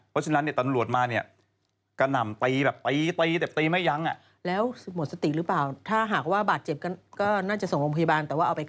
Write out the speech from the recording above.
ตอนนี้ต้องมาดูกันต่อไปว่าจะเป็นยังไง